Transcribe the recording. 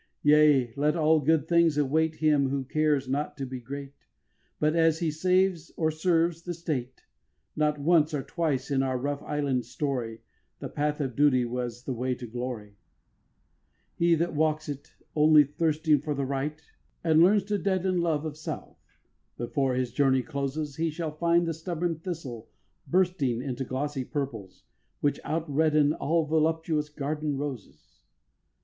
Yea, let all good things await Him who cares not to be great, But as he saves or serves the state. Not once or twice in our rough island story, The path of duty was the way to glory: He that walks it, only thirsting For the right, and learns to deaden Love of self, before his journey closes, He shall find the stubborn thistle bursting Into glossy purples, which outredden All voluptuous garden roses.